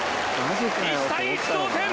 １対１同点。